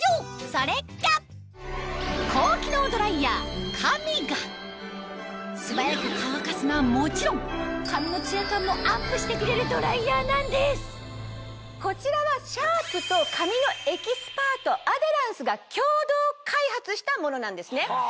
それが素早く乾かすのはもちろん髪のツヤ感もアップしてくれるドライヤーなんですこちらはシャープと髪のエキスパートアデランスが共同開発したものなんですね。